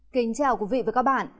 kính chào quý vị và các bạn